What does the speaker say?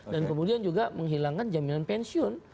dan kemudian juga menghilangkan jaminan pensiun